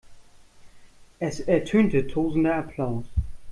Es ertönte tosender Applaus.